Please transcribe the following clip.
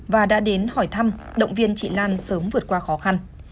và đã đến hỏi thăm động viên chị lan sớm vượt qua khó khăn